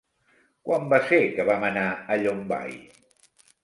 Quan va ser que vam anar a Llombai?